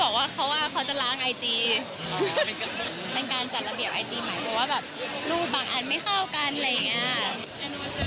หรือว่าไงมีผ่านในไอจีหรือเปล่าเรารู้ไหมมีผ่านในไอจีหรือเปล่าเรารู้ไหม